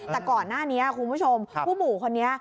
แต่ก่อนหน้านี้คุณผู้ชมผู้หมู่คนนี้